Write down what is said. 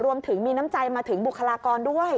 รวมถึงมีน้ำใจมาถึงบุคลากรด้วย